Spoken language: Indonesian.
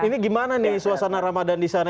ini gimana nih suasana ramadan di sana